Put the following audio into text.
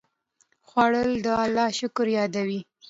خوړل د الله شکر یادوي